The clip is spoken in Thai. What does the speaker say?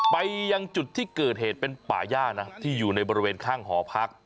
ไปยังจุดที่เกิดเหตุเป็นป่าย่านะที่อยู่ในบริเวณข้างหอพัก